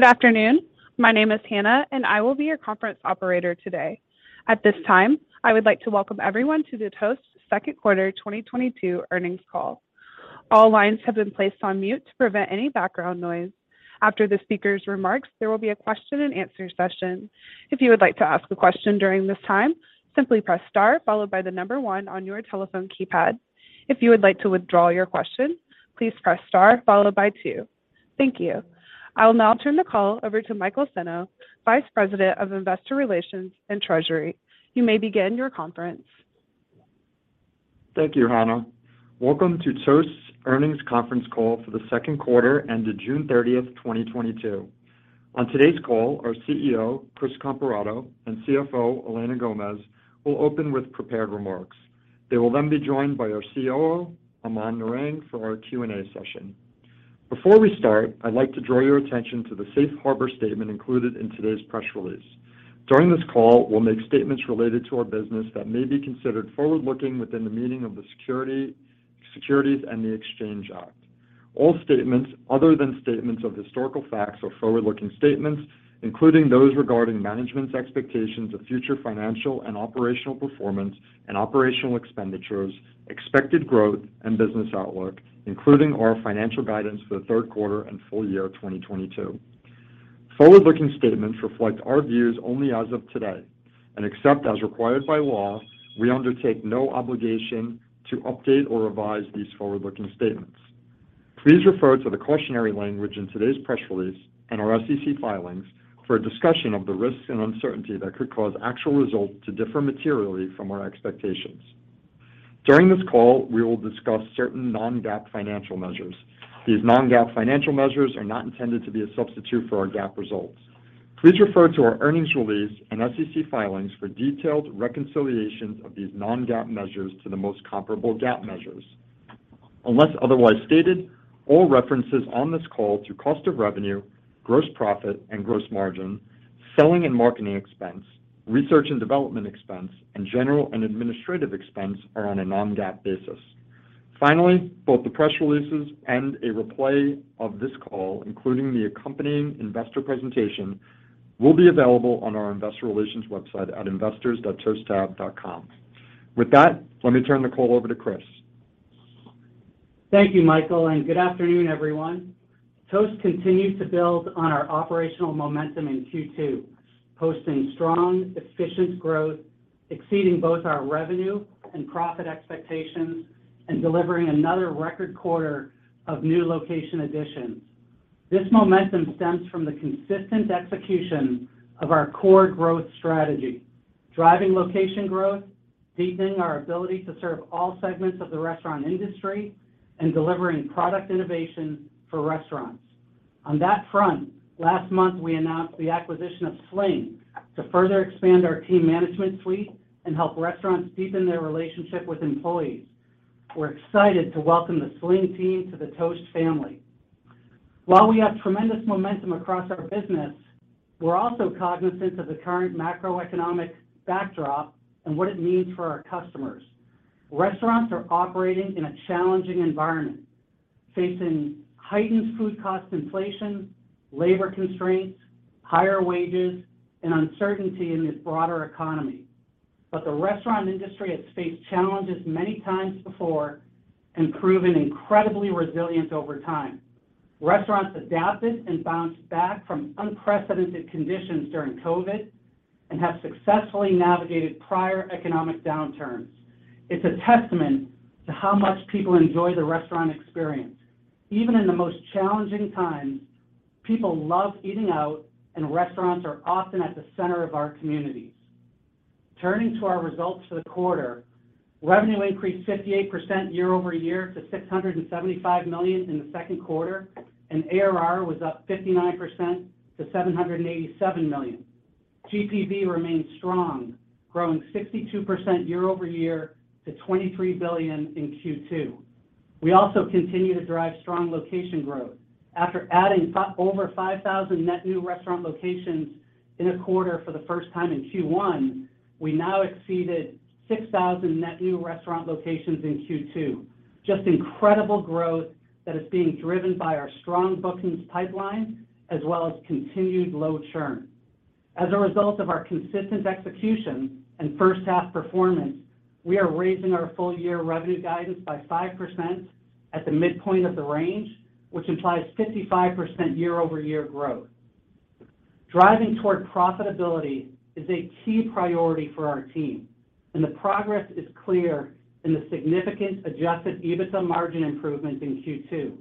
Good afternoon. My name is Hannah, and I will be your conference operator today. At this time, I would like to welcome everyone to the Toast second quarter 2022 earnings call. All lines have been placed on mute to prevent any background noise. After the speaker's remarks, there will be a question and answer session. If you would like to ask a question during this time, simply press star followed by the number one on your telephone keypad. If you would like to withdraw your question, please press star followed by two. Thank you. I will now turn the call over to Michael Senno, Vice President of Investor Relations and Treasury. You may begin your conference. Thank you, Hannah. Welcome to Toast's earnings conference call for the second quarter ended June 30, 2022. On today's call, our CEO, Chris Comparato, and CFO, Elena Gomez, will open with prepared remarks. They will then be joined by our COO, Aman Narang, for our Q&A session. Before we start, I'd like to draw your attention to the Safe Harbor statement included in today's press release. During this call, we'll make statements related to our business that may be considered forward-looking within the meaning of the Securities Exchange Act. All statements other than statements of historical facts or forward-looking statements, including those regarding management's expectations of future financial and operational performance and operational expenditures, expected growth and business outlook, including our financial guidance for the third quarter and full year of 2022. Forward-looking statements reflect our views only as of today. Except as required by law, we undertake no obligation to update or revise these forward-looking statements. Please refer to the cautionary language in today's press release and our SEC filings for a discussion of the risks and uncertainty that could cause actual results to differ materially from our expectations. During this call, we will discuss certain non-GAAP financial measures. These non-GAAP financial measures are not intended to be a substitute for our GAAP results. Please refer to our earnings release and SEC filings for detailed reconciliations of these non-GAAP measures to the most comparable GAAP measures. Unless otherwise stated, all references on this call to cost of revenue, gross profit and gross margin, selling and marketing expense, research and development expense, and general and administrative expense are on a non-GAAP basis. Finally, both the press releases and a replay of this call, including the accompanying investor presentation, will be available on our investor relations website at investors.toasttab.com. With that, let me turn the call over to Chris. Thank you, Michael, and good afternoon, everyone. Toast continues to build on our operational momentum in Q2, posting strong, efficient growth, exceeding both our revenue and profit expectations, and delivering another record quarter of new location additions. This momentum stems from the consistent execution of our core growth strategy, driving location growth, deepening our ability to serve all segments of the restaurant industry, and delivering product innovation for restaurants. On that front, last month, we announced the acquisition of Sling to further expand our team management suite and help restaurants deepen their relationship with employees. We're excited to welcome the Sling team to the Toast family. While we have tremendous momentum across our business, we're also cognizant of the current macroeconomic backdrop and what it means for our customers. Restaurants are operating in a challenging environment, facing heightened food cost inflation, labor constraints, higher wages, and uncertainty in this broader economy. The restaurant industry has faced challenges many times before and proven incredibly resilient over time. Restaurants adapted and bounced back from unprecedented conditions during COVID and have successfully navigated prior economic downturns. It's a testament to how much people enjoy the restaurant experience. Even in the most challenging times, people love eating out, and restaurants are often at the center of our communities. Turning to our results for the quarter, revenue increased 58% year-over-year to $675 million in the second quarter, and ARR was up 59% to $787 million. GPV remains strong, growing 62% year-over-year to $23 billion in Q2. We also continue to drive strong location growth. After adding over 5,000 net new restaurant locations in a quarter for the first time in Q1, we now exceeded 6,000 net new restaurant locations in Q2. Just incredible growth that is being driven by our strong bookings pipeline as well as continued low churn. As a result of our consistent execution and first half performance, we are raising our full year revenue guidance by 5% at the midpoint of the range, which implies 55% year-over-year growth. Driving toward profitability is a key priority for our team, and the progress is clear in the significant adjusted EBITDA margin improvements in Q2.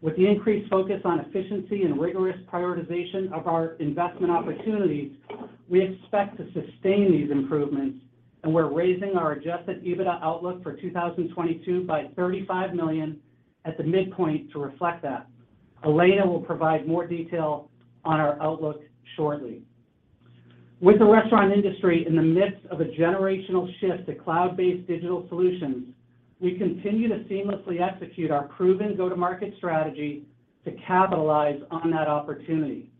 With the increased focus on efficiency and rigorous prioritization of our investment opportunities, we expect to sustain these improvements, and we're raising our adjusted EBITDA outlook for 2022 by $35 million at the midpoint to reflect that. Elena will provide more detail on our outlook shortly. With the restaurant industry in the midst of a generational shift to cloud-based digital solutions, we continue to seamlessly execute our proven go-to-market strategy to capitalize on that opportunity.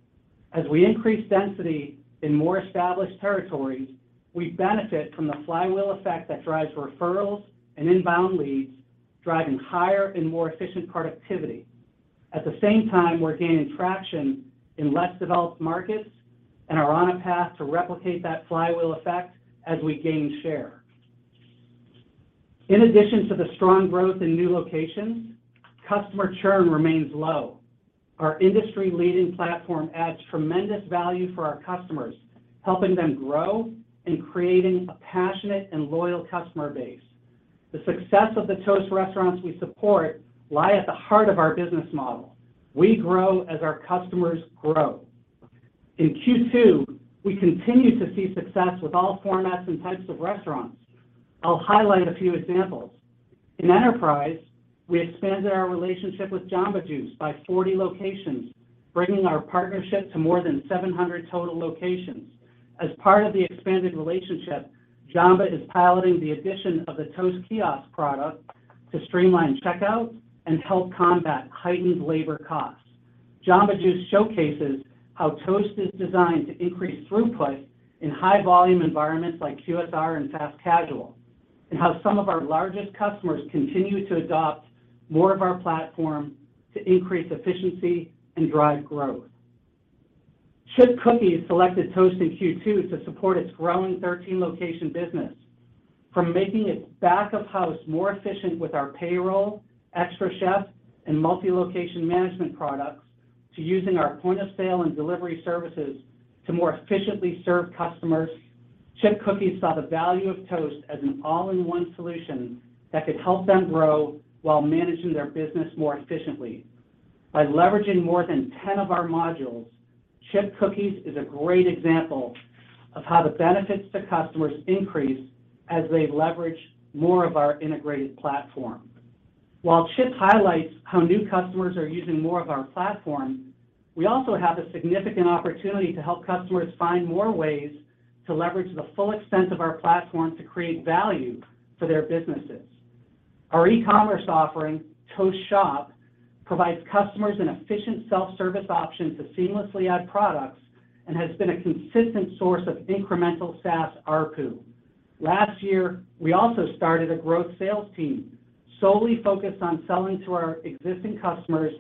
As we increase density in more established territories, we benefit from the flywheel effect that drives referrals and inbound leads, driving higher and more efficient productivity. At the same time, we're gaining traction in less developed markets and are on a path to replicate that flywheel effect as we gain share. In addition to the strong growth in new locations, customer churn remains low. Our industry-leading platform adds tremendous value for our customers, helping them grow and creating a passionate and loyal customer base. The success of the Toast restaurants we support lie at the heart of our business model. We grow as our customers grow. In Q2, we continued to see success with all formats and types of restaurants. I'll highlight a few examples. In enterprise, we expanded our relationship with Jamba Juice by 40 locations, bringing our partnership to more than 700 total locations. As part of the expanded relationship, Jamba is piloting the addition of the Toast kiosk product to streamline checkout and help combat heightened labor costs. Jamba Juice showcases how Toast is designed to increase throughput in high-volume environments like QSR and fast casual, and how some of our largest customers continue to adopt more of our platform to increase efficiency and drive growth. Chip Cookies selected Toast in Q2 to support its growing 13-location business. From making its back of house more efficient with our payroll, xtraCHEF, and multi-location management products, to using our point of sale and delivery services to more efficiently serve customers, Chip Cookies saw the value of Toast as an all-in-one solution that could help them grow while managing their business more efficiently. By leveraging more than 10 of our modules, Chip Cookies is a great example of how the benefits to customers increase as they leverage more of our integrated platform. While Chip highlights how new customers are using more of our platform, we also have a significant opportunity to help customers find more ways to leverage the full extent of our platform to create value for their businesses. Our e-commerce offering, Toast Shop, provides customers an efficient self-service option to seamlessly add products and has been a consistent source of incremental SaaS ARPU. Last year, we also started a growth sales team solely focused on selling to our existing customers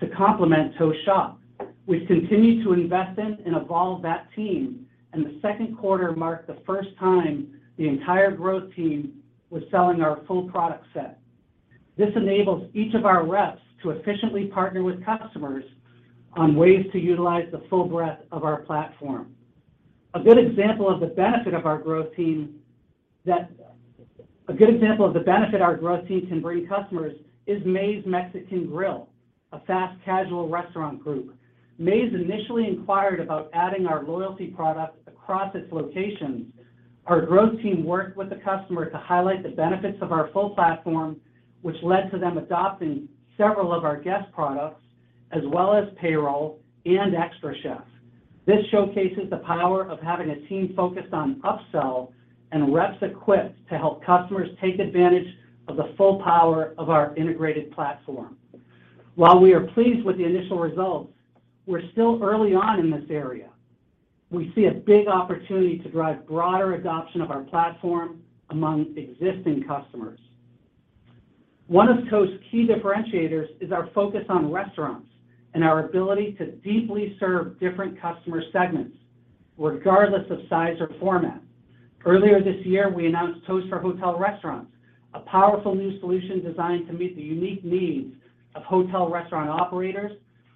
to complement Toast Shop. We've continued to invest in and evolve that team, and the second quarter marked the first time the entire growth team was selling our full product set. This enables each of our reps to efficiently partner with customers on ways to utilize the full breadth of our platform. A good example of the benefit our growth team can bring customers is Maize Mexican Grill, a fast casual restaurant group. Maize Mexican Grill initially inquired about adding our loyalty product across its locations. Our growth team worked with the customer to highlight the benefits of our full platform, which led to them adopting several of our guest products as well as payroll and xtraCHEF. This showcases the power of having a team focused on upsell and reps equipped to help customers take advantage of the full power of our integrated platform. While we are pleased with the initial results, we're still early on in this area. We see a big opportunity to drive broader adoption of our platform among existing customers. One of Toast's key differentiators is our focus on restaurants and our ability to deeply serve different customer segments, regardless of size or format. Earlier this year, we announced Toast for Hotel Restaurants, a powerful new solution designed to meet the unique needs of hotel restaurant operators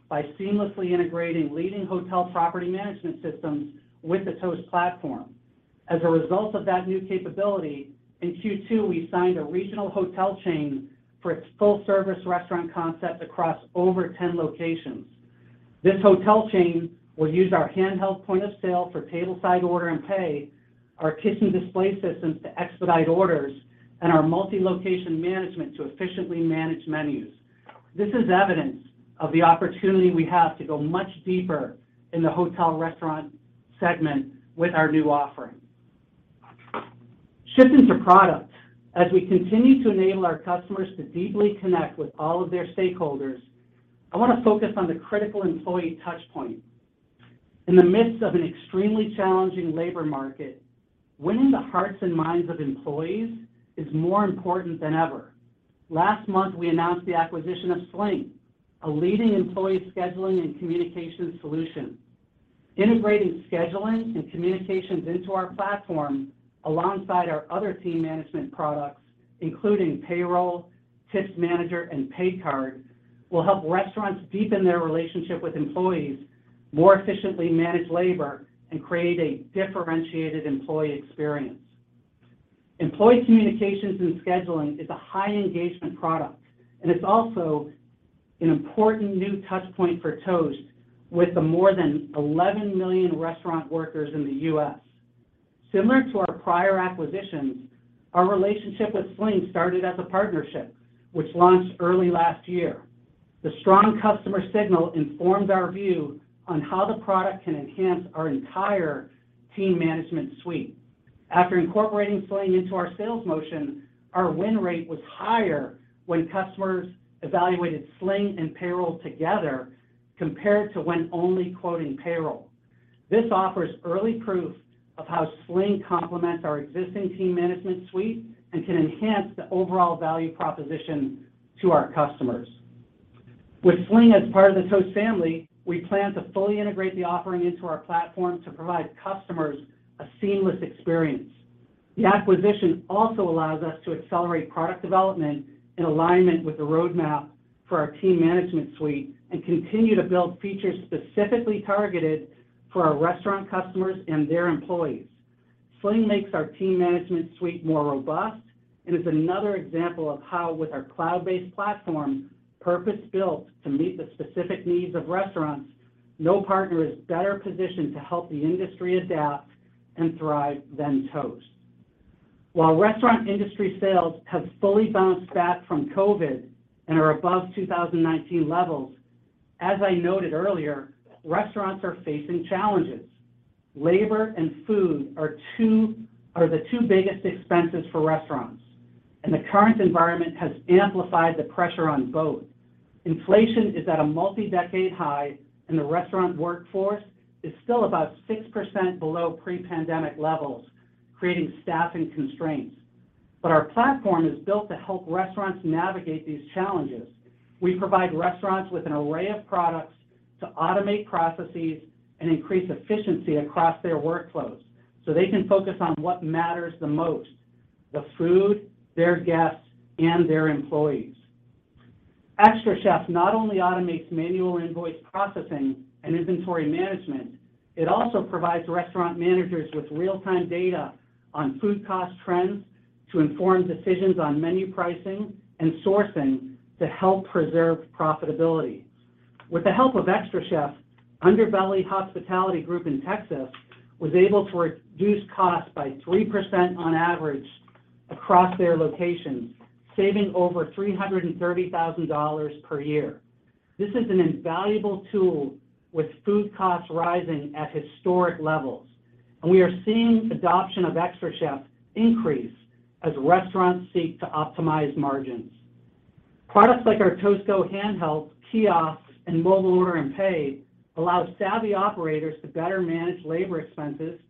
by seamlessly integrating leading hotel property management systems with the Toast platform. As a result of that new capability, in Q2, we signed a regional hotel chain for its full-service restaurant concept across over 10 locations. This hotel chain will use our handheld point of sale for tableside order and pay, our kitchen display systems to expedite orders, and our multi-location management to efficiently manage menus. This is evidence of the opportunity we have to go much deeper in the hotel restaurant segment with our new offering. Shifting to product, as we continue to enable our customers to deeply connect with all of their stakeholders, I want to focus on the critical employee touch point. In the midst of an extremely challenging labor market, winning the hearts and minds of employees is more important than ever. Last month, we announced the acquisition of Sling, a leading employee scheduling and communication solution. Integrating scheduling and communications into our platform alongside our other team management products, including payroll, tips manager, and pay card, will help restaurants deepen their relationship with employees, more efficiently manage labor, and create a differentiated employee experience. Employee communications and scheduling is a high engagement product, and it's also an important new touch point for Toast with the more than 11 million restaurant workers in the U.S. Similar to our prior acquisitions, our relationship with Sling started as a partnership, which launched early last year. The strong customer signal informed our view on how the product can enhance our entire team management suite. After incorporating Sling into our sales motion, our win rate was higher when customers evaluated Sling and payroll together compared to when only quoting payroll. This offers early proof of how Sling complements our existing team management suite and can enhance the overall value proposition to our customers. With Sling as part of the Toast family, we plan to fully integrate the offering into our platform to provide customers a seamless experience. The acquisition also allows us to accelerate product development in alignment with the roadmap for our team management suite and continue to build features specifically targeted for our restaurant customers and their employees. Sling makes our team management suite more robust, and is another example of how with our cloud-based platform, purpose-built to meet the specific needs of restaurants, no partner is better positioned to help the industry adapt and thrive than Toast. While restaurant industry sales have fully bounced back from COVID and are above 2019 levels, as I noted earlier, restaurants are facing challenges. Labor and food are the two biggest expenses for restaurants, and the current environment has amplified the pressure on both. Inflation is at a multi-decade high, and the restaurant workforce is still about 6% below pre-pandemic levels, creating staffing constraints. Our platform is built to help restaurants navigate these challenges. We provide restaurants with an array of products to automate processes and increase efficiency across their workflows, so they can focus on what matters the most, the food, their guests, and their employees. xtraCHEF not only automates manual invoice processing and inventory management, it also provides restaurant managers with real-time data on food cost trends to inform decisions on menu pricing and sourcing to help preserve profitability. With the help of xtraCHEF, Underbelly Hospitality Group in Texas was able to reduce costs by 3% on average across their locations, saving over $330,000 per year. This is an invaluable tool with food costs rising at historic levels, and we are seeing adoption of xtraCHEF increase as restaurants seek to optimize margins. Products like our Toast Go handheld, kiosks, and mobile order and pay allow savvy operators to better manage labor expenses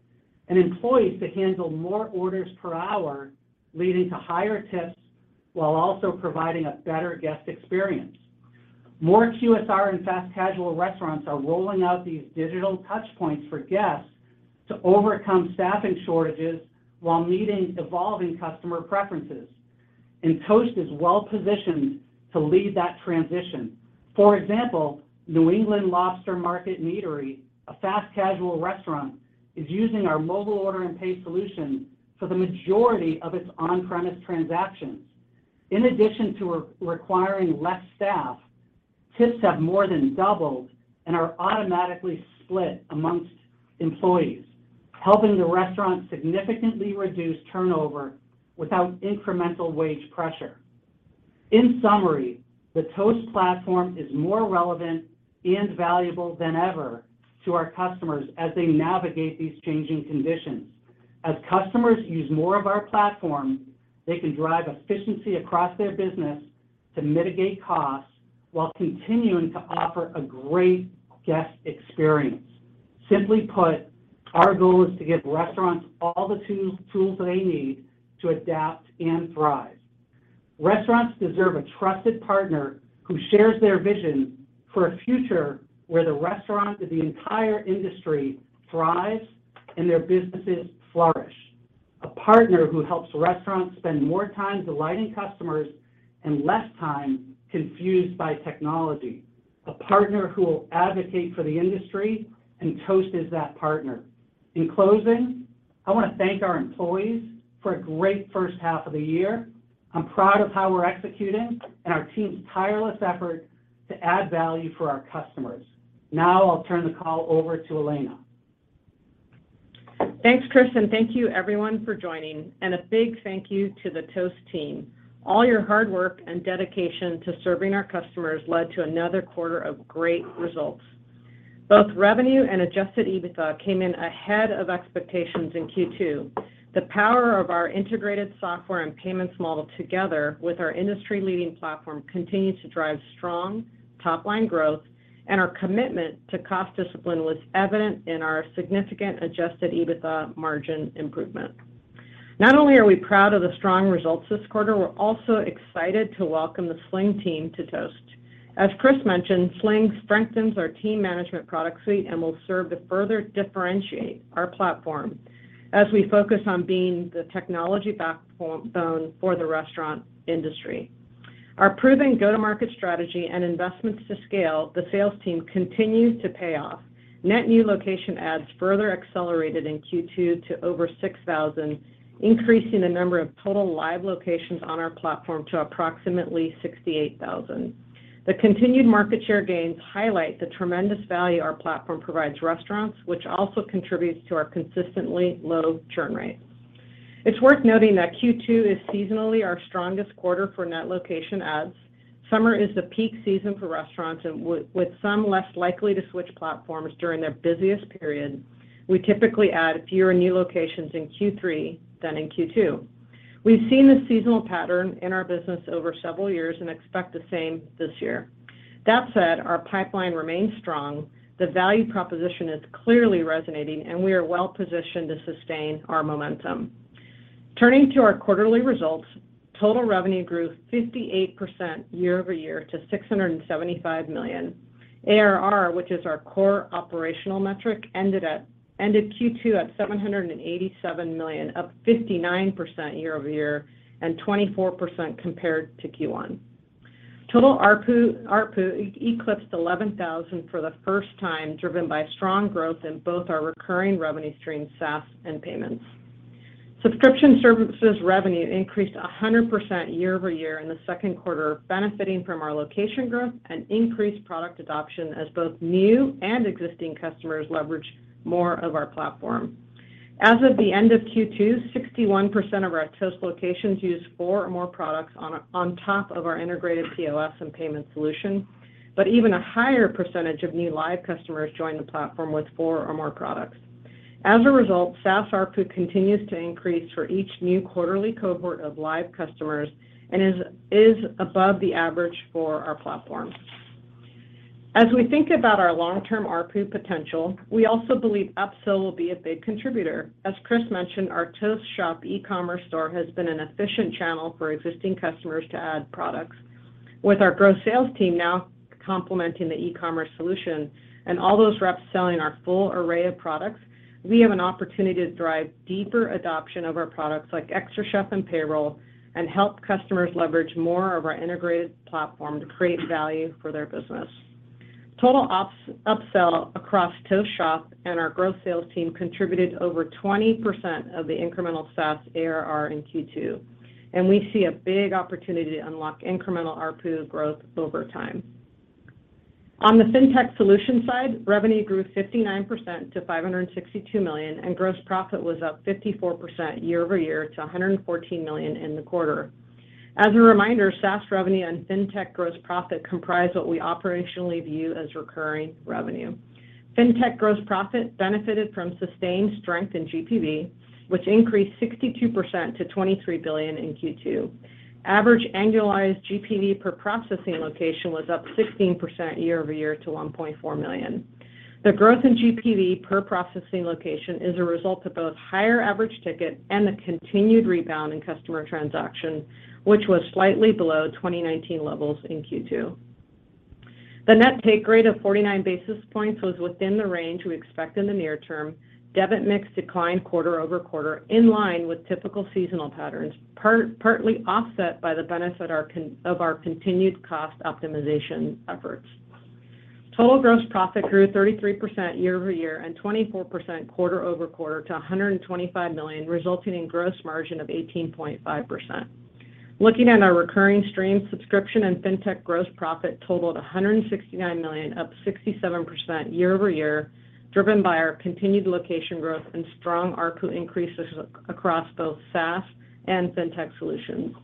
and employees to handle more orders per hour, leading to higher tips while also providing a better guest experience. More QSR and fast casual restaurants are rolling out these digital touch points for guests to overcome staffing shortages while meeting evolving customer preferences, and Toast is well positioned to lead that transition. For example, New England Lobster Market and Eatery, a fast casual restaurant, is using our mobile order and pay solution for the majority of its on-premise transactions. In addition to requiring less staff, tips have more than doubled and are automatically split amongst employees, helping the restaurant significantly reduce turnover without incremental wage pressure. In summary, the Toast platform is more relevant and valuable than ever to our customers as they navigate these changing conditions. As customers use more of our platform, they can drive efficiency across their business to mitigate costs while continuing to offer a great guest experience. Simply put, our goal is to give restaurants all the tools they need to adapt and thrive. Restaurants deserve a trusted partner who shares their vision for a future where the restaurant and the entire industry thrives and their businesses flourish. A partner who helps restaurants spend more time delighting customers and less time confused by technology. A partner who will advocate for the industry, and Toast is that partner. In closing, I want to thank our employees for a great first half of the year. I'm proud of how we're executing and our team's tireless effort to add value for our customers. Now I'll turn the call over to Elena. Thanks, Chris, and thank you everyone for joining, and a big thank you to the Toast team. All your hard work and dedication to serving our customers led to another quarter of great results. Both revenue and adjusted EBITDA came in ahead of expectations in Q2. The power of our integrated software and payments model together with our industry-leading platform continued to drive strong top-line growth, and our commitment to cost discipline was evident in our significant adjusted EBITDA margin improvement. Not only are we proud of the strong results this quarter, we're also excited to welcome the Sling team to Toast. As Chris mentioned, Sling strengthens our team management product suite and will serve to further differentiate our platform as we focus on being the technology backbone for the restaurant industry. Our proven go-to-market strategy and investments to scale the sales team continues to pay off. Net new location adds further accelerated in Q2 to over 6,000, increasing the number of total live locations on our platform to approximately 68,000. The continued market share gains highlight the tremendous value our platform provides restaurants, which also contributes to our consistently low churn rate. It's worth noting that Q2 is seasonally our strongest quarter for net location adds. Summer is the peak season for restaurants and with some less likely to switch platforms during their busiest period, we typically add fewer new locations in Q3 than in Q2. We've seen this seasonal pattern in our business over several years and expect the same this year. That said, our pipeline remains strong, the value proposition is clearly resonating, and we are well-positioned to sustain our momentum. Turning to our quarterly results, total revenue grew 58% year-over-year to $675 million. ARR, which is our core operational metric, ended Q2 at $787 million, up 59% year-over-year and 24% compared to Q1. Total ARPU eclipsed $11,000 for the first time, driven by strong growth in both our recurring revenue streams, SaaS and payments. Subscription services revenue increased 100% year-over-year in the second quarter, benefiting from our location growth and increased product adoption as both new and existing customers leveraged more of our platform. As of the end of Q2, 61% of our Toast locations used four or more products on top of our integrated POS and payment solution, but even a higher percentage of new live customers joined the platform with four or more products. As a result, SaaS ARPU continues to increase for each new quarterly cohort of live customers and is above the average for our platform. As we think about our long-term ARPU potential, we also believe upsell will be a big contributor. As Chris mentioned, our Toast Shop e-commerce store has been an efficient channel for existing customers to add products. With our growth sales team now complementing the e-commerce solution and all those reps selling our full array of products, we have an opportunity to drive deeper adoption of our products like xtraCHEF and Payroll, and help customers leverage more of our integrated platform to create value for their business. Total upsell across Toast Shop and our growth sales team contributed over 20% of the incremental SaaS ARR in Q2, and we see a big opportunity to unlock incremental ARPU growth over time. On the Fintech solution side, revenue grew 59% to $562 million, and gross profit was up 54% year-over-year to $114 million in the quarter. As a reminder, SaaS revenue and Fintech gross profit comprise what we operationally view as recurring revenue. Fintech gross profit benefited from sustained strength in GPV, which increased 62% to $23 billion in Q2. Average annualized GPV per processing location was up 16% year-over-year to $1.4 million. The growth in GPV per processing location is a result of both higher average ticket and the continued rebound in customer transactions, which was slightly below 2019 levels in Q2. The net take rate of 49 basis points was within the range we expect in the near term. Debit mix declined quarter-over-quarter in line with typical seasonal patterns, partly offset by the benefit of our continued cost optimization efforts. Total gross profit grew 33% year-over-year and 24% quarter-over-quarter to $125 million, resulting in gross margin of 18.5%. Looking at our recurring stream, subscription and Fintech gross profit totaled $169 million, up 67% year-over-year, driven by our continued location growth and strong ARPU increases across both SaaS and Fintech solutions.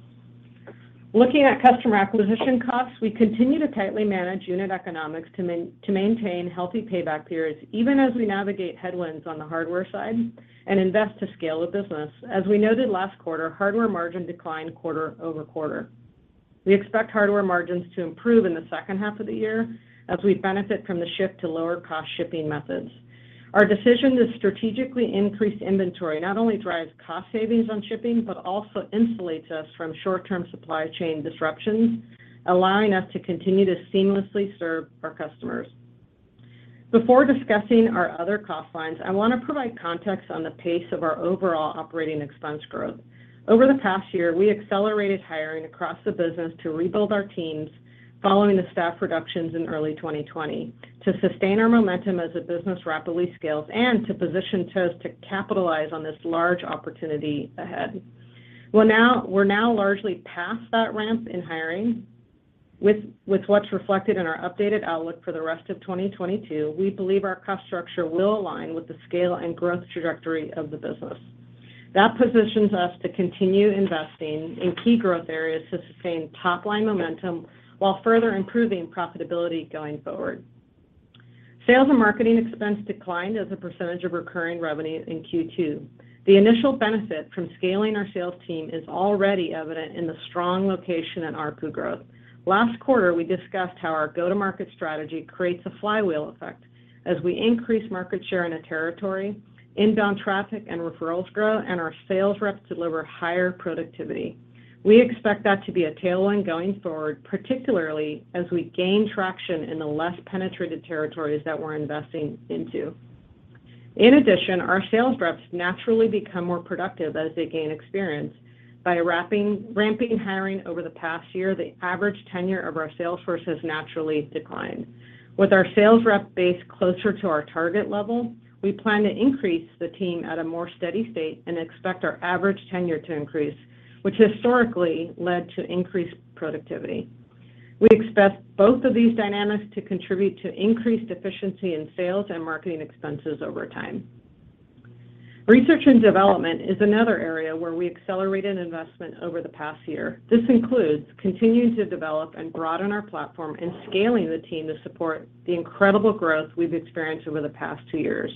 Looking at customer acquisition costs, we continue to tightly manage unit economics to maintain healthy payback periods, even as we navigate headwinds on the hardware side and invest to scale the business. As we noted last quarter, hardware margin declined quarter-over-quarter. We expect hardware margins to improve in the second half of the year as we benefit from the shift to lower cost shipping methods. Our decision to strategically increase inventory not only drives cost savings on shipping, but also insulates us from short-term supply chain disruptions, allowing us to continue to seamlessly serve our customers. Before discussing our other cost lines, I want to provide context on the pace of our overall operating expense growth. Over the past year, we accelerated hiring across the business to rebuild our teams following the staff reductions in early 2020, to sustain our momentum as the business rapidly scales and to position Toast to capitalize on this large opportunity ahead. We're now largely past that ramp in hiring. With what's reflected in our updated outlook for the rest of 2022, we believe our cost structure will align with the scale and growth trajectory of the business. That positions us to continue investing in key growth areas to sustain top-line momentum while further improving profitability going forward. Sales and marketing expense declined as a percentage of recurring revenue in Q2. The initial benefit from scaling our sales team is already evident in the strong location and ARPU growth. Last quarter, we discussed how our go-to-market strategy creates a flywheel effect. As we increase market share in a territory, inbound traffic and referrals grow, and our sales reps deliver higher productivity. We expect that to be a tailwind going forward, particularly as we gain traction in the less penetrated territories that we're investing into. In addition, our sales reps naturally become more productive as they gain experience. By ramping hiring over the past year, the average tenure of our sales force has naturally declined. With our sales rep base closer to our target level, we plan to increase the team at a more steady state and expect our average tenure to increase, which historically led to increased productivity. We expect both of these dynamics to contribute to increased efficiency in sales and marketing expenses over time. Research and development is another area where we accelerated investment over the past year. This includes continuing to develop and broaden our platform and scaling the team to support the incredible growth we've experienced over the past two years.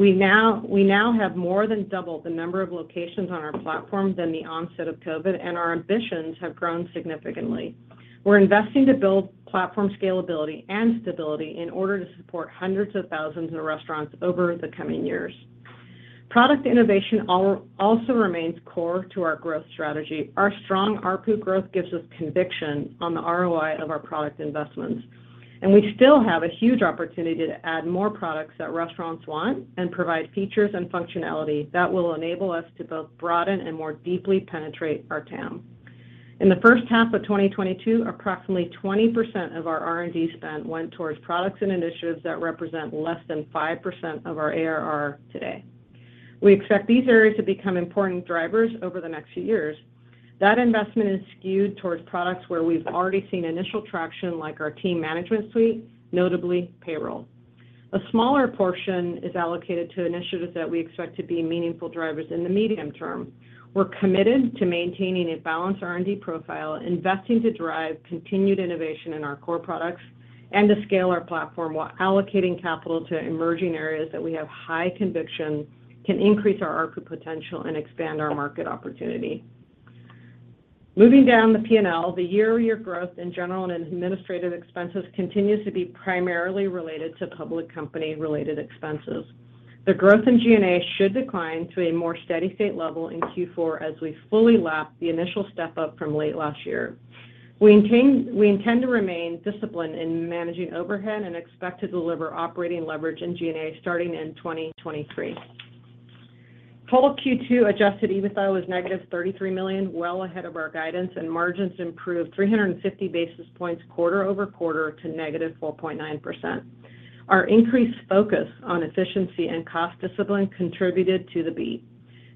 We now have more than double the number of locations on our platform from the onset of COVID, and our ambitions have grown significantly. We're investing to build platform scalability and stability in order to support hundreds of thousands of restaurants over the coming years. Product innovation also remains core to our growth strategy. Our strong ARPU growth gives us conviction on the ROI of our product investments, and we still have a huge opportunity to add more products that restaurants want and provide features and functionality that will enable us to both broaden and more deeply penetrate our TAM. In the first half of 2022, approximately 20% of our R&D spend went towards products and initiatives that represent less than 5% of our ARR today. We expect these areas to become important drivers over the next few years. That investment is skewed towards products where we've already seen initial traction, like our team management suite, notably payroll. A smaller portion is allocated to initiatives that we expect to be meaningful drivers in the medium term. We're committed to maintaining a balanced R&D profile, investing to drive continued innovation in our core products, and to scale our platform while allocating capital to emerging areas that we have high conviction can increase our ARPU potential and expand our market opportunity. Moving down the P&L, the year-over-year growth in general and administrative expenses continues to be primarily related to public company related expenses. The growth in G&A should decline to a more steady state level in Q4 as we fully lap the initial step-up from late last year. We intend to remain disciplined in managing overhead and expect to deliver operating leverage in G&A starting in 2023. Total Q2 adjusted EBITDA was -$33 million, well ahead of our guidance, and margins improved 350 basis points quarter-over-quarter to -4.9%. Our increased focus on efficiency and cost discipline contributed to the beat.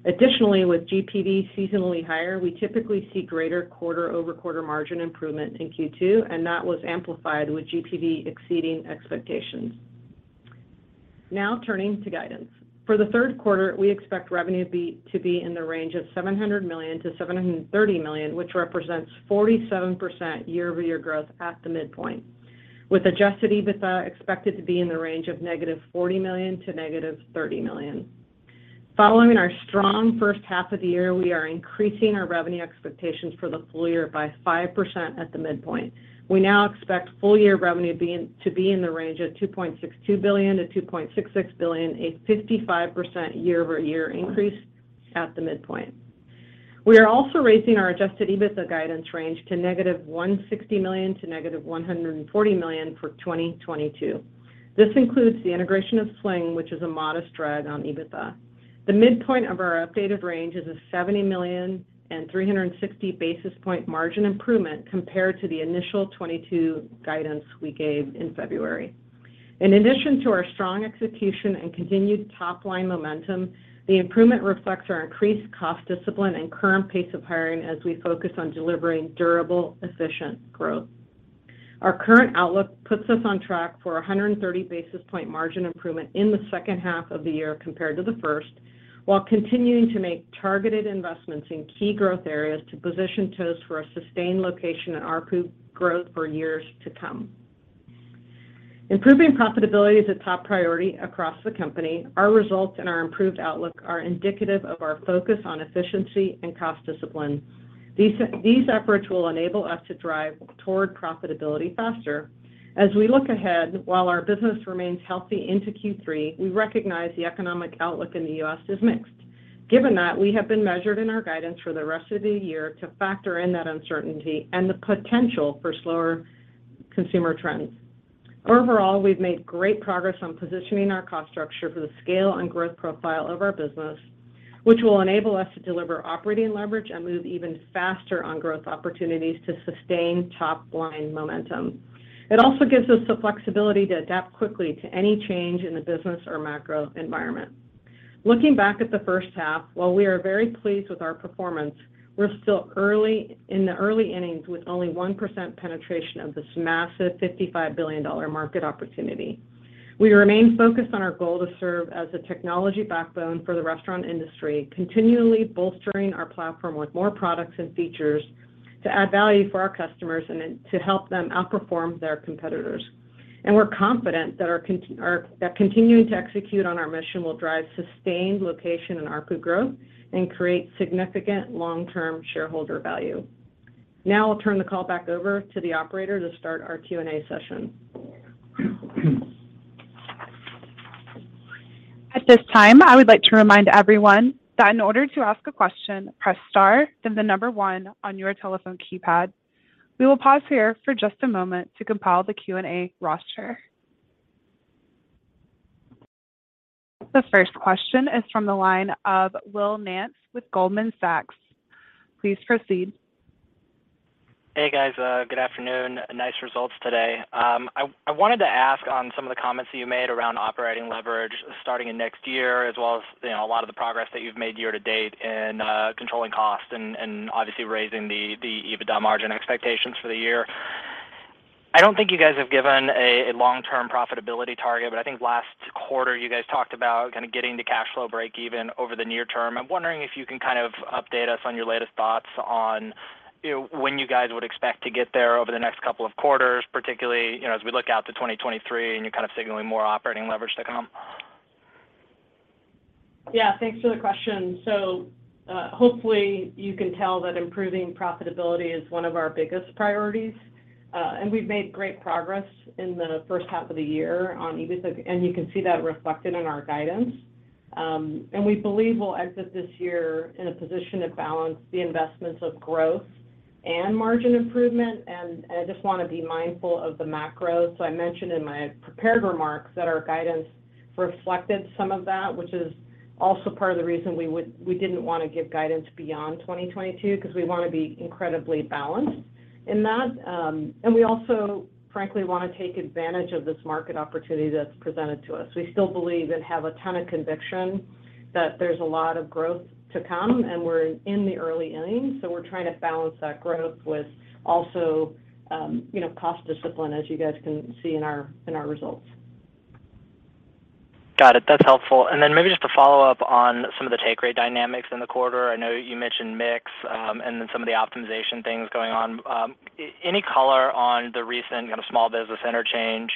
Additionally, with GPV seasonally higher, we typically see greater quarter-over-quarter margin improvement in Q2, and that was amplified with GPV exceeding expectations. Now turning to guidance. For the third quarter, we expect revenue to be in the range of $700 million-$730 million, which represents 47% year-over-year growth at the midpoint, with adjusted EBITDA expected to be in the range of -$40 million to -$30 million. Following our strong first half of the year, we are increasing our revenue expectations for the full year by 5% at the midpoint. We now expect full-year revenue to be in the range of $2.62 billion-$2.66 billion, a 55% year-over-year increase at the midpoint. We are also raising our adjusted EBITDA guidance range to -$160 million to -$140 million for 2022. This includes the integration of Sling, which is a modest drag on EBITDA. The midpoint of our updated range is a $70 million and 360 basis point margin improvement compared to the initial 2022 guidance we gave in February. In addition to our strong execution and continued top-line momentum, the improvement reflects our increased cost discipline and current pace of hiring as we focus on delivering durable, efficient growth. Our current outlook puts us on track for 130 basis point margin improvement in the second half of the year compared to the first, while continuing to make targeted investments in key growth areas to position Toast for a sustained location and ARPU growth for years to come. Improving profitability is a top priority across the company. Our results and our improved outlook are indicative of our focus on efficiency and cost discipline. These efforts will enable us to drive toward profitability faster. As we look ahead, while our business remains healthy into Q3, we recognize the economic outlook in the U.S. is mixed. Given that, we have been measured in our guidance for the rest of the year to factor in that uncertainty and the potential for slower consumer trends. Overall, we've made great progress on positioning our cost structure for the scale and growth profile of our business, which will enable us to deliver operating leverage and move even faster on growth opportunities to sustain top-line momentum. It also gives us the flexibility to adapt quickly to any change in the business or macro environment. Looking back at the first half, while we are very pleased with our performance, we're still early, in the early innings with only 1% penetration of this massive $55 billion market opportunity. We remain focused on our goal to serve as a technology backbone for the restaurant industry, continually bolstering our platform with more products and features to add value for our customers and then to help them outperform their competitors. We're confident that continuing to execute on our mission will drive sustained location and ARPU growth and create significant long-term shareholder value. Now I'll turn the call back over to the operator to start our Q&A session. At this time, I would like to remind everyone that in order to ask a question, press star, then the number one on your telephone keypad. We will pause here for just a moment to compile the Q&A roster. The first question is from the line of Will Nance with Goldman Sachs. Please proceed. Hey, guys. Good afternoon. Nice results today. I wanted to ask on some of the comments that you made around operating leverage starting in next year, as well as, you know, a lot of the progress that you've made year to date in controlling costs and obviously raising the EBITDA margin expectations for the year. I don't think you guys have given a long-term profitability target, but I think last quarter you guys talked about kind of getting to cash flow breakeven over the near term. I'm wondering if you can kind of update us on your latest thoughts on, you know, when you guys would expect to get there over the next couple of quarters, particularly, you know, as we look out to 2023 and you're kind of signaling more operating leverage to come. Yeah, thanks for the question. Hopefully you can tell that improving profitability is one of our biggest priorities. We've made great progress in the first half of the year on EBITDA, and you can see that reflected in our guidance. We believe we'll exit this year in a position to balance the investments of growth and margin improvement. I just wanna be mindful of the macro. I mentioned in my prepared remarks that our guidance reflected some of that, which is also part of the reason we didn't wanna give guidance beyond 2022 because we wanna be incredibly balanced in that. We also frankly wanna take advantage of this market opportunity that's presented to us. We still believe and have a ton of conviction that there's a lot of growth to come, and we're in the early innings. We're trying to balance that growth with also, you know, cost discipline as you guys can see in our results. Got it. That's helpful. Maybe just to follow up on some of the take rate dynamics in the quarter. I know you mentioned mix, and then some of the optimization things going on. Any color on the recent kinda small business interchange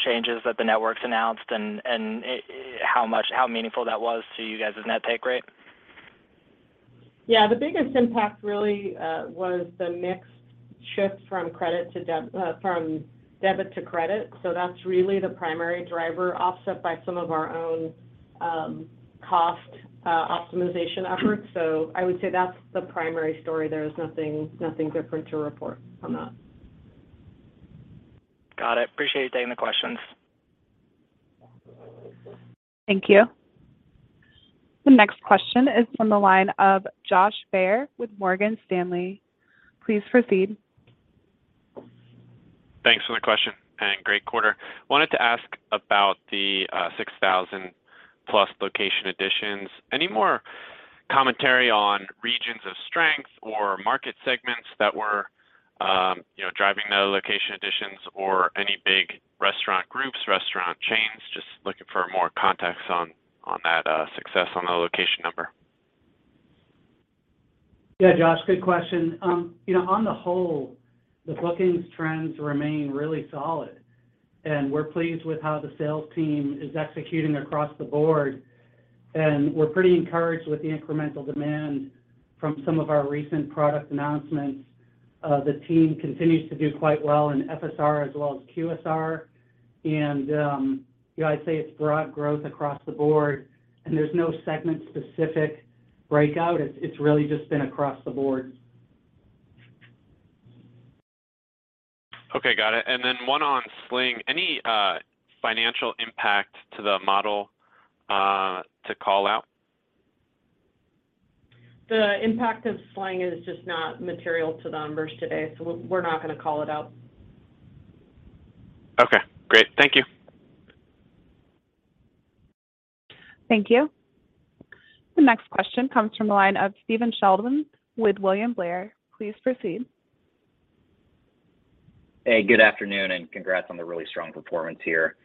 changes that the networks announced and how much, how meaningful that was to you guys' net take rate? Yeah. The biggest impact really was the mix shift from debit to credit. That's really the primary driver offset by some of our own cost optimization efforts. I would say that's the primary story. There's nothing different to report on that. Got it. Appreciate you taking the questions. Thank you. The next question is from the line of Josh Baer with Morgan Stanley. Please proceed. Thanks for the question, and great quarter. Wanted to ask about the 6,000+ location additions. Any more commentary on regions of strength or market segments that were, you know, driving the location additions or any big restaurant groups, restaurant chains? Just looking for more context on that success on the location number. Yeah, Josh, good question. You know, on the whole, the bookings trends remain really solid, and we're pleased with how the sales team is executing across the board. We're pretty encouraged with the incremental demand from some of our recent product announcements. The team continues to do quite well in FSR as well as QSR. You know, I'd say it's broad growth across the board, and there's no segment specific breakout. It's really just been across the board. Okay. Got it. One on Sling. Any financial impact to the model to call out? The impact of Sling is just not material to the numbers today, so we're not gonna call it out. Okay, great. Thank you. Thank you. The next question comes from the line of Stephen Sheldon with William Blair. Please proceed. Hey, good afternoon, and congrats on the really strong performance here.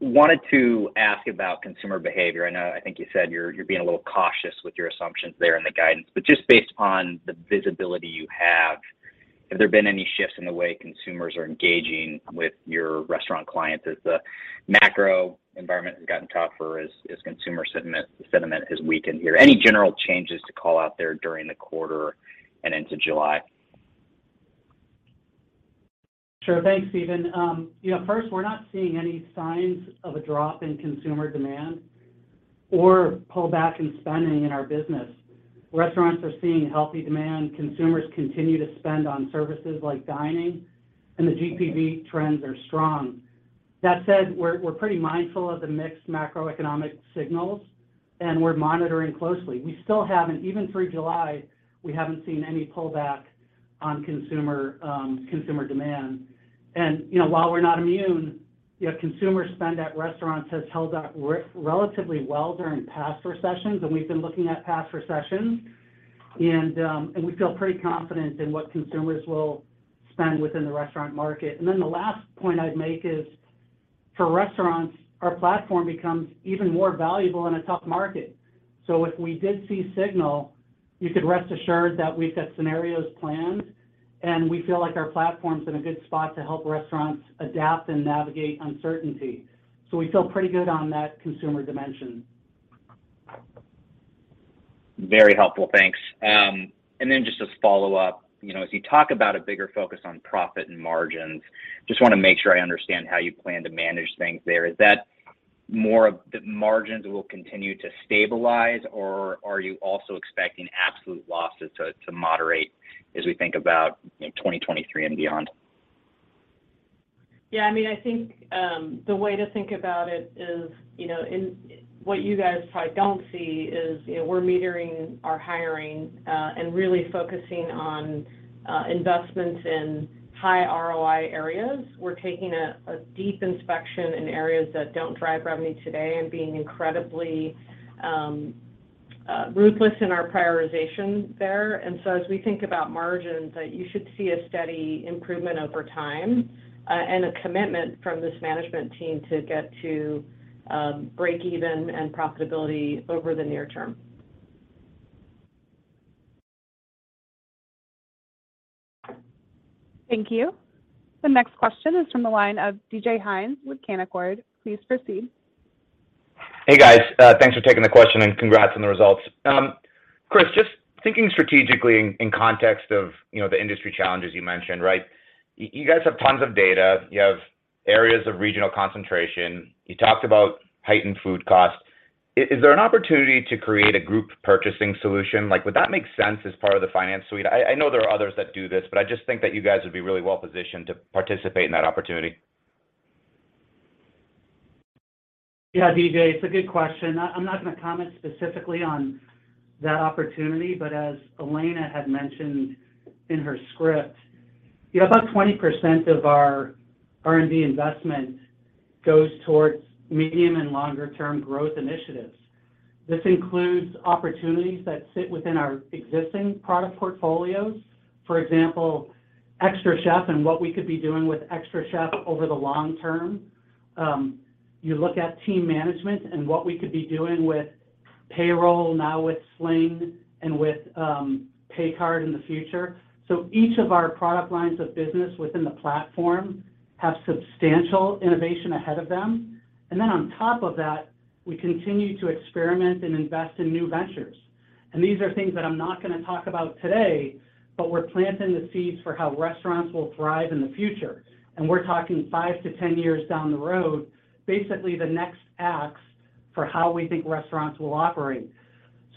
Wanted to ask about consumer behavior. I know, I think you said you're being a little cautious with your assumptions there in the guidance. Just based on the visibility you have there been any shifts in the way consumers are engaging with your restaurant clients as the macro environment has gotten tougher as consumer sentiment has weakened here? Any general changes to call out there during the quarter and into July? Sure. Thanks, Stephen. You know, first, we're not seeing any signs of a drop in consumer demand or pullback in spending in our business. Restaurants are seeing healthy demand. Consumers continue to spend on services like dining, and the GPV trends are strong. That said, we're pretty mindful of the mixed macroeconomic signals, and we're monitoring closely. We still haven't even through July seen any pullback on consumer demand. You know, while we're not immune, you know, consumer spend at restaurants has held up relatively well during past recessions, and we've been looking at past recessions. We feel pretty confident in what consumers will spend within the restaurant market. Then the last point I'd make is, for restaurants, our platform becomes even more valuable in a tough market. If we did see signal, you could rest assured that we've got scenarios planned, and we feel like our platform's in a good spot to help restaurants adapt and navigate uncertainty. We feel pretty good on that consumer dimension. Very helpful. Thanks. Just as follow-up. You know, as you talk about a bigger focus on profit and margins, just wanna make sure I understand how you plan to manage things there. Is that more of the margins will continue to stabilize, or are you also expecting absolute losses to moderate as we think about, you know, 2023 and beyond? Yeah. I mean, I think the way to think about it is, you know, what you guys probably don't see is, you know, we're metering our hiring and really focusing on investments in high ROI areas. We're taking a deep inspection in areas that don't drive revenue today and being incredibly ruthless in our prioritization there. As we think about margins, you should see a steady improvement over time and a commitment from this management team to get to breakeven and profitability over the near term. Thank you. The next question is from the line of David Hynes with Canaccord Genuity. Please proceed. Hey, guys. Thanks for taking the question, and congrats on the results. Chris, just thinking strategically in context of, you know, the industry challenges you mentioned, right? You guys have tons of data. You have areas of regional concentration. You talked about heightened food costs. Is there an opportunity to create a group purchasing solution? Like, would that make sense as part of the finance suite? I know there are others that do this, but I just think that you guys would be really well-positioned to participate in that opportunity. Yeah, DJ, it's a good question. I'm not gonna comment specifically on that opportunity, but as Elena had mentioned in her script, you know, about 20% of our R&D investment goes towards medium and longer term growth initiatives. This includes opportunities that sit within our existing product portfolios. For example, xtraCHEF and what we could be doing with xtraCHEF over the long term. You look at team management and what we could be doing with payroll now with Sling and with pay card in the future. Each of our product lines of business within the platform have substantial innovation ahead of them. Then on top of that, we continue to experiment and invest in new ventures. These are things that I'm not gonna talk about today, but we're planting the seeds for how restaurants will thrive in the future. We're talking 5-10 years down the road, basically the next acts for how we think restaurants will operate.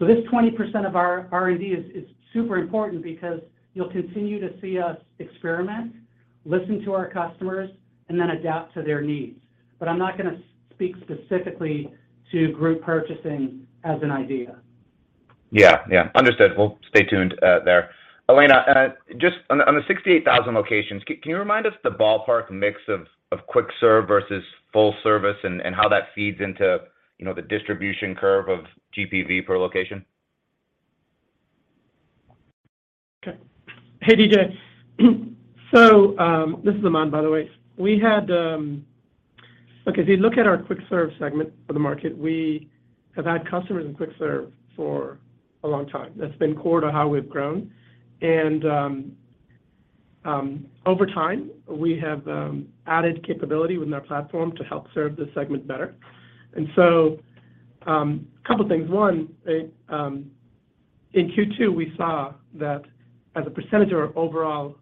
This 20% of our R&D is super important because you'll continue to see us experiment, listen to our customers, and then adapt to their needs. I'm not gonna speak specifically to group purchasing as an idea. Yeah. Yeah. Understood. We'll stay tuned there. Elena, just on the 68,000 locations, can you remind us the ballpark mix of quick serve versus full service and how that feeds into, you know, the distribution curve of GPV per location? Okay. Hey, DJ. This is Aman, by the way. Look, if you look at our quick serve segment of the market, we have had customers in quick serve for a long time. That's been core to how we've grown. Over time, we have added capability within our platform to help serve this segment better. Couple things. One, in Q2, we saw that as a percentage of our overall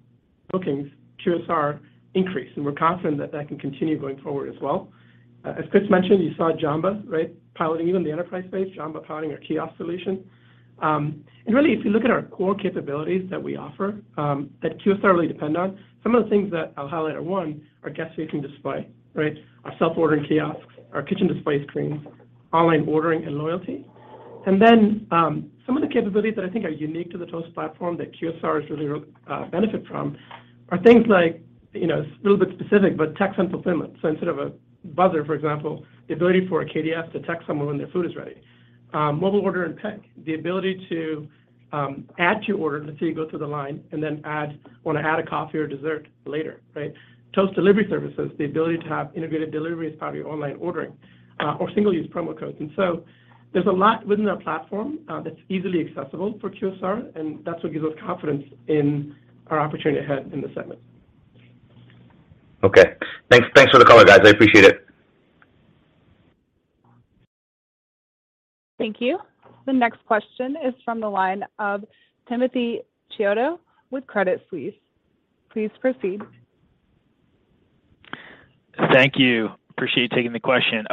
bookings, QSR increased, and we're confident that can continue going forward as well. As Chris mentioned, you saw Jamba, right, piloting even the enterprise space. Jamba piloting our kiosk solution. Really, if you look at our core capabilities that we offer, that QSR really depend on, some of the things that I'll highlight are, one, our guest-facing display, right? Our self-ordering kiosks, our kitchen display screens, online ordering and loyalty. Some of the capabilities that I think are unique to the Toast platform that QSRs really benefit from are things like, you know, it's a little bit specific, but text and fulfillment. Instead of a buzzer, for example, the ability for a KDS to text someone when their food is ready. Mobile order and pay, the ability to add to your order until you go through the line and then add a coffee or dessert later, right? Toast delivery services, the ability to have integrated deliveries via online ordering, or single-use promo codes. There's a lot within our platform that's easily accessible for QSR, and that's what gives us confidence in our opportunity ahead in the segment. Okay. Thanks. Thanks for the color, guys. I appreciate it. Thank you. The next question is from the line of Timothy Chiodo with Credit Suisse. Please proceed. Thank you. Appreciate you taking the question.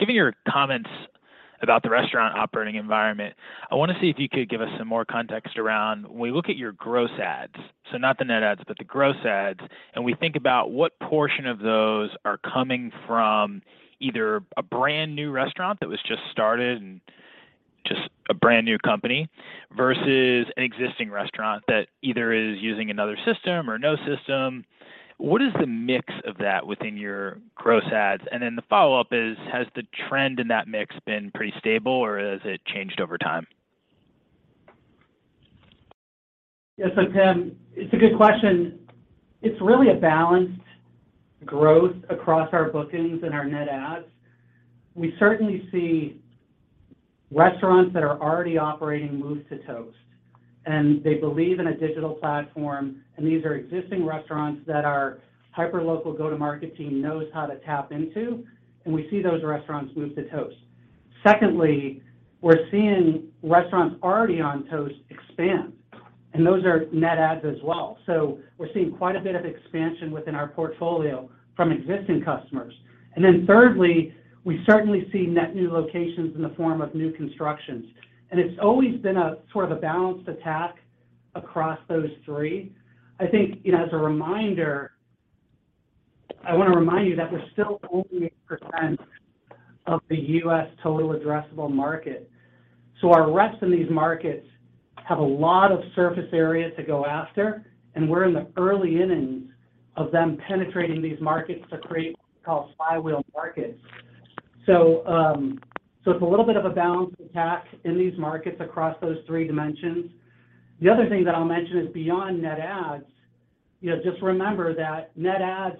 Given your comments about the restaurant operating environment, I wanna see if you could give us some more context around when we look at your gross adds, so not the net adds, but the gross adds, and we think about what portion of those are coming from either a brand-new restaurant that was just started and just a brand-new company versus an existing restaurant that either is using another system or no system. What is the mix of that within your gross adds? Then the follow-up is, has the trend in that mix been pretty stable, or has it changed over time? Yes. Tim, it's a good question. It's really a balanced growth across our bookings and our net adds. We certainly see restaurants that are already operating move to Toast, and they believe in a digital platform, and these are existing restaurants that our hyper-local go-to-market team knows how to tap into, and we see those restaurants move to Toast. Secondly, we're seeing restaurants already on Toast expand, and those are net adds as well. We're seeing quite a bit of expansion within our portfolio from existing customers. Then thirdly, we certainly see net new locations in the form of new constructions. It's always been a sort of a balanced attack across those three. I think, you know, as a reminder, I wanna remind you that we're still only 8% of the U.S. total addressable market. Our restaurants in these markets have a lot of surface area to go after, and we're in the early innings of them penetrating these markets to create what we call flywheel markets. It's a little bit of a balanced attack in these markets across those three dimensions. The other thing that I'll mention is beyond net adds, you know, just remember that net adds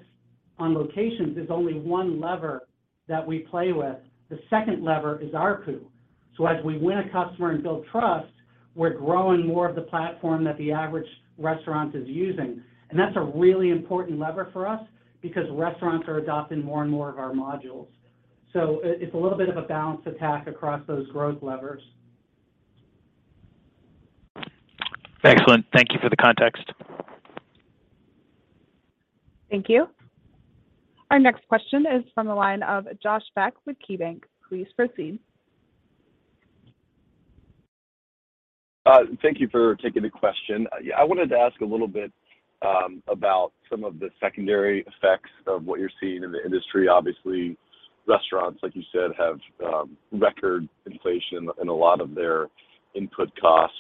on locations is only one lever that we play with. The second lever is ARPU. As we win a customer and build trust, we're growing more of the platform that the average restaurant is using. That's a really important lever for us because restaurants are adopting more and more of our modules. It's a little bit of a balanced attack across those growth levers. Excellent. Thank you for the context. Thank you. Our next question is from the line of Josh Beck with KeyBank. Please proceed. Thank you for taking the question. I wanted to ask a little bit about some of the secondary effects of what you're seeing in the industry. Obviously, restaurants, like you said, have record inflation in a lot of their input costs.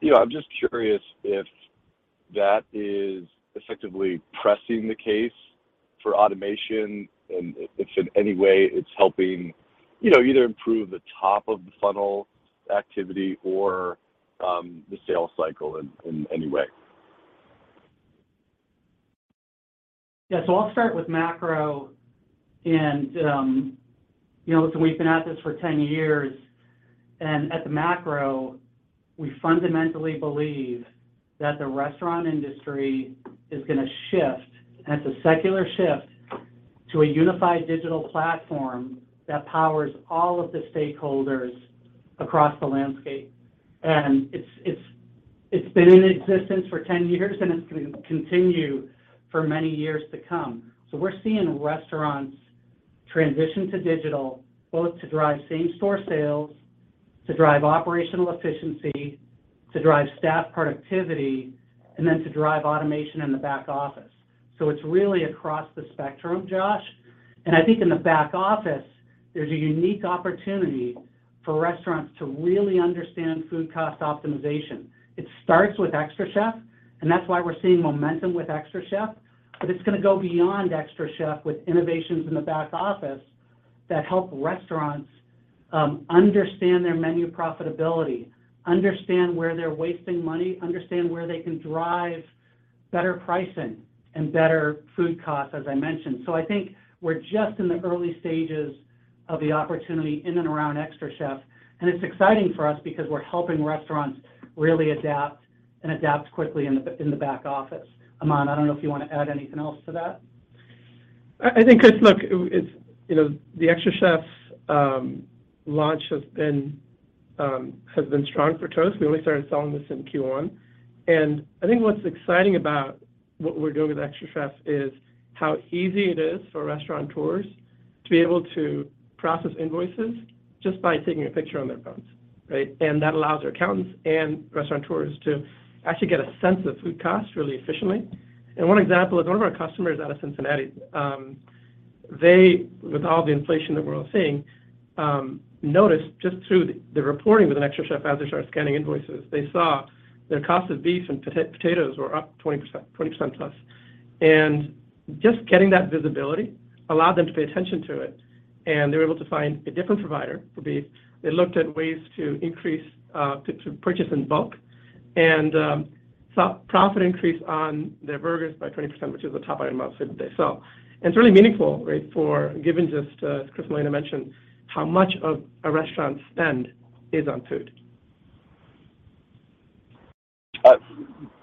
You know, I'm just curious if that is effectively pressing the case for automation and if in any way it's helping, you know, either improve the top of the funnel activity or the sales cycle in any way. Yeah. I'll start with macro and, you know, listen, we've been at this for 10 years, and at the macro, we fundamentally believe that the restaurant industry is gonna shift, and it's a secular shift, to a unified digital platform that powers all of the stakeholders across the landscape. It's been in existence for 10 years, and it's gonna continue for many years to come. We're seeing restaurants transition to digital both to drive same-store sales, to drive operational efficiency, to drive staff productivity, and then to drive automation in the back office. It's really across the spectrum, Josh. I think in the back office, there's a unique opportunity for restaurants to really understand food cost optimization. It starts with xtraCHEF, and that's why we're seeing momentum with xtraCHEF. It's gonna go beyond xtraCHEF with innovations in the back office that help restaurants understand their menu profitability, understand where they're wasting money, understand where they can drive better pricing and better food costs, as I mentioned. I think we're just in the early stages of the opportunity in and around xtraCHEF, and it's exciting for us because we're helping restaurants really adapt quickly in the back office. Aman, I don't know if you want to add anything else to that. I think, Chris, look, it's you know, the xtraCHEF launch has been strong for Toast. We only started selling this in Q1. I think what's exciting about what we're doing with xtraCHEF is how easy it is for restaurateurs to be able to process invoices just by taking a picture on their phones, right? That allows our accountants and restaurateurs to actually get a sense of food costs really efficiently. One example is one of our customers out of Cincinnati, they with all the inflation that we're all seeing noticed just through the reporting with xtraCHEF as they started scanning invoices, they saw their cost of beef and potatoes were up 20% plus. Just getting that visibility allowed them to pay attention to it, and they were able to find a different provider for beef. They looked at ways to increase to purchase in bulk. Profit increased on their burgers by 20%, which is a top item on their menu today. It's really meaningful, right, for, given just as Chris and Elena mentioned, how much of a restaurant spend is on food.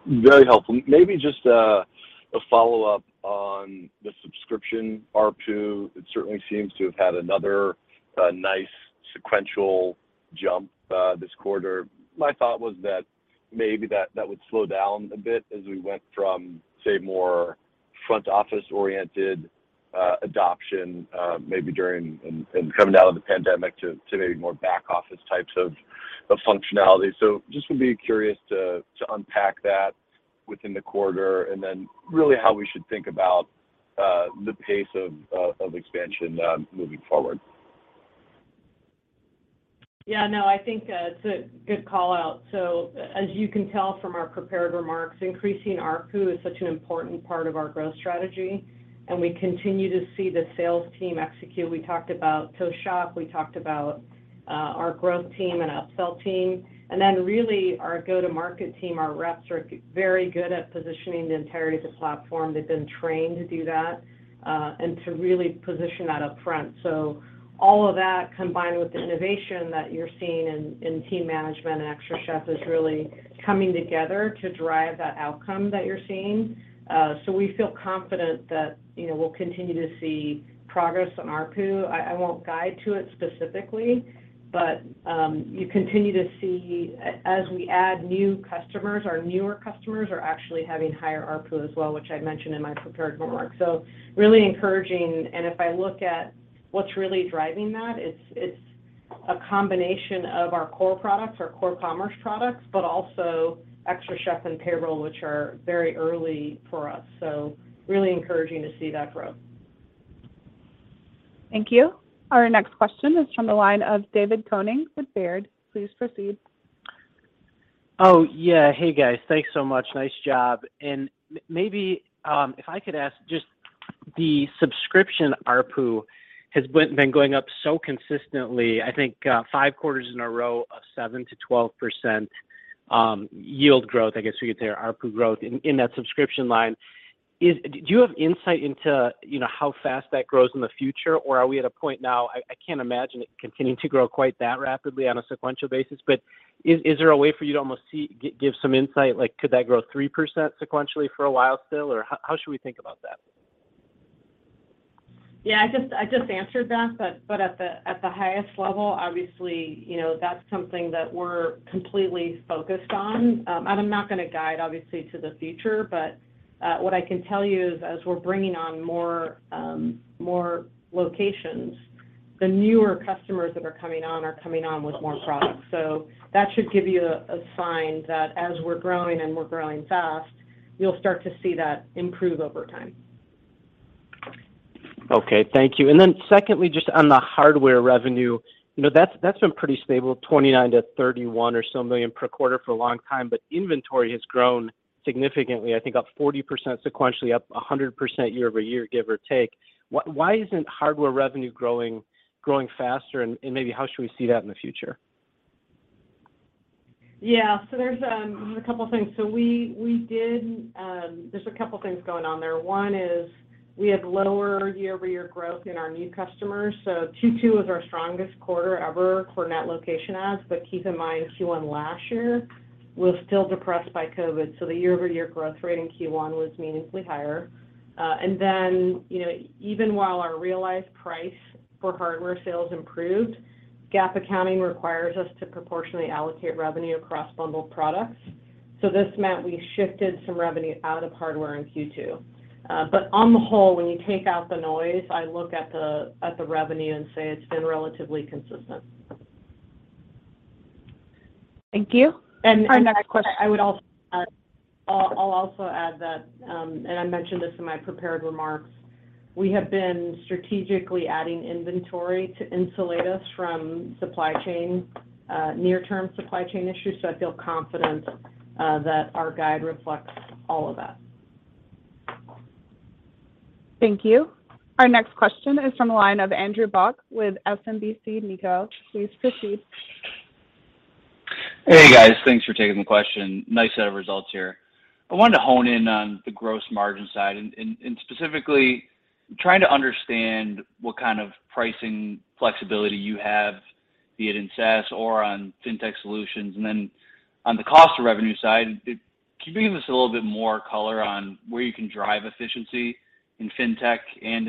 Very helpful. Maybe just a follow-up on the subscription ARPU. It certainly seems to have had another nice sequential jump this quarter. My thought was that maybe that would slow down a bit as we went from, say, more front office-oriented adoption, maybe during and coming out of the pandemic to maybe more back office types of functionality. Just would be curious to unpack that within the quarter and then really how we should think about the pace of expansion moving forward. Yeah, no, I think it's a good call-out. As you can tell from our prepared remarks, increasing ARPU is such an important part of our growth strategy, and we continue to see the sales team execute. We talked about Toast Shop, we talked about our growth team and upsell team, and then really our go-to-market team. Our reps are very good at positioning the entirety of the platform. They've been trained to do that, and to really position that upfront. All of that combined with the innovation that you're seeing in team management and xtraCHEF is really coming together to drive that outcome that you're seeing. We feel confident that, you know, we'll continue to see progress on ARPU. I won't guide to it specifically, but you continue to see as we add new customers, our newer customers are actually having higher ARPU as well, which I mentioned in my prepared remarks. Really encouraging. If I look at what's really driving that, it's a combination of our core products, our core commerce products, but also xtraCHEF and payroll, which are very early for us. Really encouraging to see that growth. Thank you. Our next question is from the line of David Koning with Baird. Please proceed. Oh, yeah. Hey, guys. Thanks so much. Nice job. Maybe, if I could ask just the subscription ARPU has been going up so consistently, I think, five quarters in a row of 7%-12%. Yield growth, I guess we could say, ARPU growth in that subscription line. Do you have insight into, you know, how fast that grows in the future, or are we at a point now? I can't imagine it continuing to grow quite that rapidly on a sequential basis. But is there a way for you to almost give some insight, like could that grow 3% sequentially for a while still? Or how should we think about that? Yeah, I just answered that. At the highest level, obviously, you know, that's something that we're completely focused on. I'm not gonna guide obviously to the future, but what I can tell you is as we're bringing on more locations, the newer customers that are coming on are coming on with more products. That should give you a sign that as we're growing and we're growing fast, you'll start to see that improve over time. Okay. Thank you. Secondly, just on the hardware revenue, you know, that's been pretty stable, $29-$31 million per quarter for a long time, but inventory has grown significantly. I think up 40% sequentially, up 100% year-over-year, give or take. Why isn't hardware revenue growing faster, and maybe how should we see that in the future? Yeah. There's a couple things. There's a couple things going on there. One is we had lower year-over-year growth in our new customers. Q2 was our strongest quarter ever for net location adds, but keep in mind, Q1 last year was still depressed by COVID, so the year-over-year growth rate in Q1 was meaningfully higher. And then, you know, even while our realized price for hardware sales improved, GAAP accounting requires us to proportionally allocate revenue across bundled products. This meant we shifted some revenue out of hardware in Q2. But on the whole, when you take out the noise, I look at the revenue and say it's been relatively consistent. Thank you. Our next question. I'll also add that, and I mentioned this in my prepared remarks, we have been strategically adding inventory to insulate us from supply chain, near-term supply chain issues, so I feel confident that our guide reflects all of that. Thank you. Our next question is from the line of Andrew Bauch with SMBC Nikko. Please proceed. Hey, guys. Thanks for taking the question. Nice set of results here. I wanted to hone in on the gross margin side and specifically trying to understand what kind of pricing flexibility you have, be it in SaaS or on Fintech solutions. Then on the cost of revenue side, can you give us a little bit more color on where you can drive efficiency in Fintech and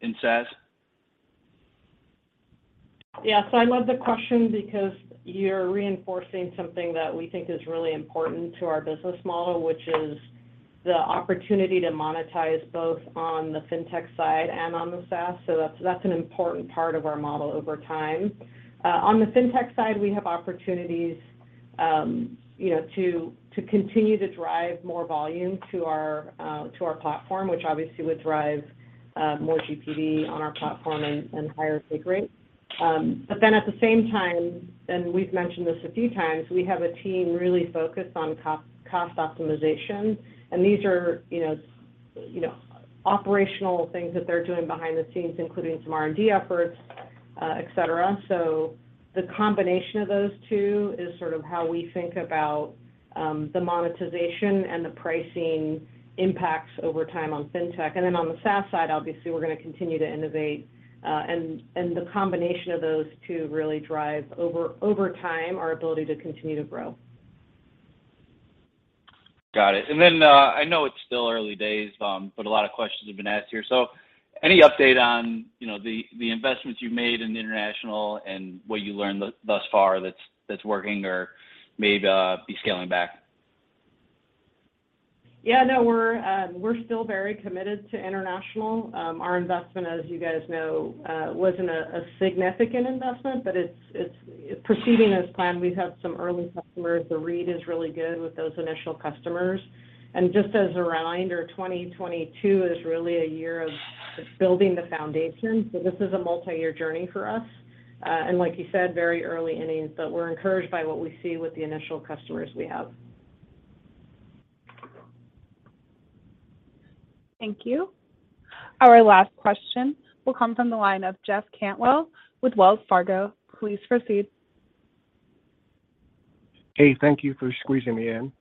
in SaaS? Yeah. I love the question because you're reinforcing something that we think is really important to our business model, which is the opportunity to monetize both on the Fintech side and on the SaaS, so that's an important part of our model over time. On the Fintech side, we have opportunities, you know, to continue to drive more volume to our platform, which obviously would drive more GPV on our platform and higher take rate. At the same time, we've mentioned this a few times, we have a team really focused on cost optimization. These are, you know, operational things that they're doing behind the scenes, including some R&D efforts, et cetera. The combination of those two is sort of how we think about the monetization and the pricing impacts over time on Fintech. On the SaaS side, obviously, we're gonna continue to innovate, and the combination of those two really drive over time our ability to continue to grow. Got it. I know it's still early days, but a lot of questions have been asked here. Any update on, you know, the investments you've made in international and what you learned thus far that's working or maybe be scaling back? Yeah, no, we're still very committed to international. Our investment, as you guys know, wasn't a significant investment, but it's proceeding as planned. We've had some early customers. The read is really good with those initial customers. Just as a reminder, 2022 is really a year of just building the foundation. This is a multi-year journey for us. Like you said, very early innings, but we're encouraged by what we see with the initial customers we have. Thank you. Our last question will come from the line of Jeff Cantwell with Wells Fargo. Please proceed. Hey, thank you for squeezing me in.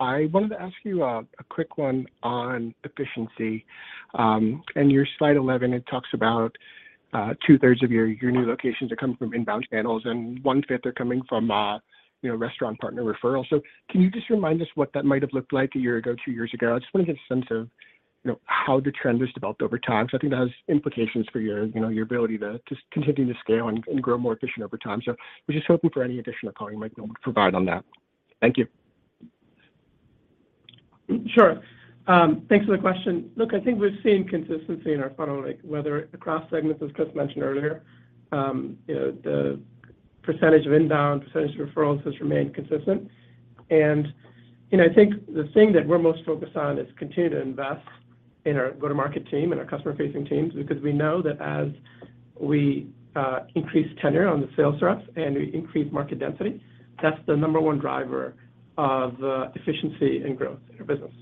I wanted to ask you a quick one on efficiency. In your slide 11, it talks about two-thirds of your new locations are coming from inbound channels and one-fifth are coming from you know, restaurant partner referrals. Can you just remind us what that might have looked like a year ago, two years ago? I just want to get a sense of you know, how the trend has developed over time. I think that has implications for your you know, your ability to just continue to scale and grow more efficient over time. I was just hoping for any additional color you might be able to provide on that. Thank you. Sure. Thanks for the question. Look, I think we've seen consistency in our funnel, like whether across segments, as Chris mentioned earlier, you know, the percentage of inbound, percentage of referrals has remained consistent. You know, I think the thing that we're most focused on is continue to invest in our go-to-market team and our customer-facing teams, because we know that as we increase tenure on the sales reps and we increase market density, that's the number one driver of efficiency and growth in our business.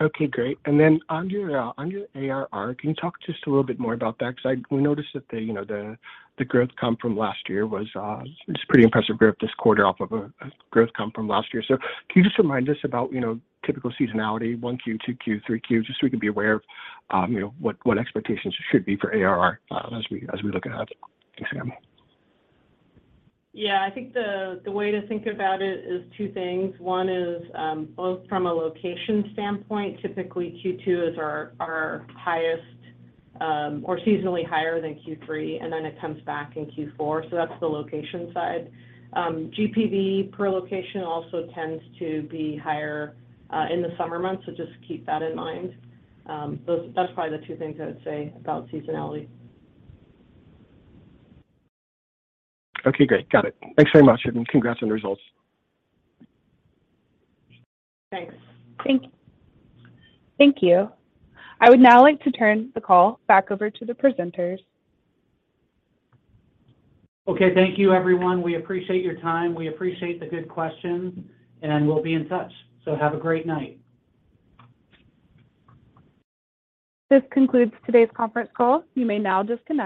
Okay, great. On your ARR, can you talk just a little bit more about that? Because we noticed that you know, the growth comp from last year was just pretty impressive growth this quarter off of a growth comp from last year. Can you just remind us about you know, typical seasonality, one Q, two Q, three Q, just so we can be aware of you know, what expectations should be for ARR as we look ahead? Yeah. I think the way to think about it is two things. One is, both from a location standpoint, typically Q2 is our highest, or seasonally higher than Q3, and then it comes back in Q4. So that's the location side. GPV per location also tends to be higher in the summer months, so just keep that in mind. That's probably the two things I would say about seasonality. Okay, great. Got it. Thanks very much, and congrats on the results. Thanks. Thank you. I would now like to turn the call back over to the presenters. Okay, thank you, everyone. We appreciate your time. We appreciate the good questions, and we'll be in touch. Have a great night. This concludes today's conference call. You may now disconnect.